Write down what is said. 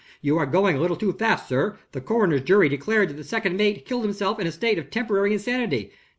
"You are going a little too fast, sir. The coroner's jury declared that the second mate killed himself in a state of temporary insanity."